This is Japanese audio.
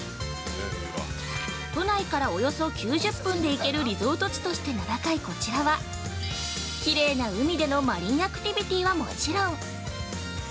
都内からおよそ９０分でいけるリゾート地として名高いこちらは、綺麗な海でのマリンアクテビティはもちろん。